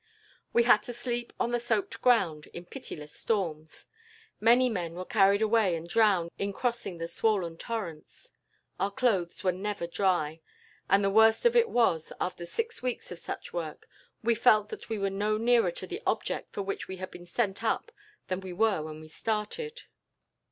We had to sleep on the soaked ground, in pitiless storms. Many men were carried away and drowned in crossing the swollen torrents. Our clothes were never dry. And the worst of it was, after six weeks of such work, we felt that we were no nearer to the object for which we had been sent up than we were when we started.